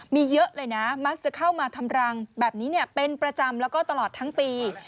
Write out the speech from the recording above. มีเยอะเลยนะมักจะเข้ามาทำรังแบบนี้เป็นประจำแล้วก็ตลอดทั้งปี